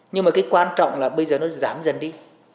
nhưng mà cái quan trọng là bây giờ nó giảm dần đi